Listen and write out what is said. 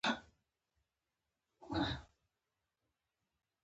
د افغان کرکټ لوبغاړو ټولې هڅې د ټیم بریا لپاره دي.